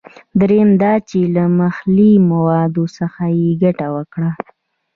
دریم دا چې له محلي موادو څخه یې ګټه وکړه.